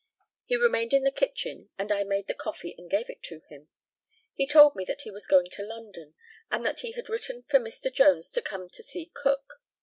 He remained in the kitchen, and I made the coffee and gave it to him. He told me that he was going to London, and that he had written for Mr. Jones to come to see Cook.